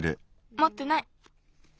もってない。